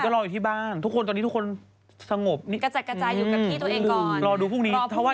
รีบไปแห่งกูปีชา